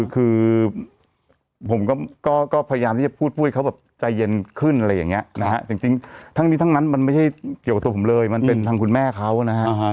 คือผมก็พยายามที่จะพูดปุ้ยเขาแบบใจเย็นขึ้นอะไรอย่างนี้นะฮะจริงทั้งนี้ทั้งนั้นมันไม่ใช่เกี่ยวกับตัวผมเลยมันเป็นทางคุณแม่เขานะฮะ